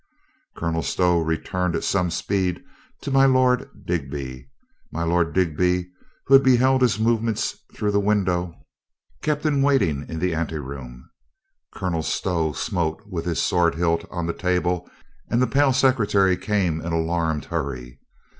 Colonel Stow returned at some speed to my Lord Digby. My Lord Digby, who had beheld his move ments through the window, kept him waiting in the anteroom. Colonel Stow smote with his sword hilt on the table and the pale secretary came in alarmed hurry.